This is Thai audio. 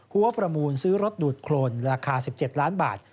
หัวประมูลซื้อรถดูดโครนราคา๑๗ล้านบาท